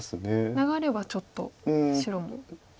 流れはちょっと白も。